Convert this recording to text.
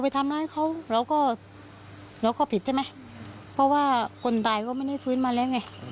ทำร้ายเขาเราก็เราก็ผิดใช่ไหมเพราะว่าคนตายก็ไม่ได้ฟื้นมาแล้วไง